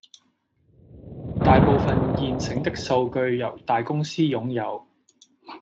大部分現成的數據由大公司擁有